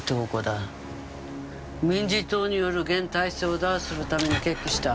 民自党による現体制を打破するために決起した。